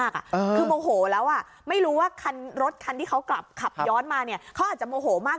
คือโมโหแล้วไม่รู้ว่ารถคันที่เขากลับขับย้อนมาเขาอาจจะโมโหมาก